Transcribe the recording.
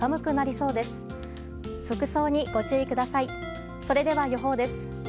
それでは予報です。